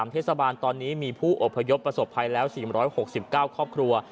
เทศบาลตอนนี้มีผู้อพยพประสบภัยแล้ว๔๖๙ครอบครัว